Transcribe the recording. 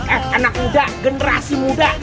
eh anak muda generasi muda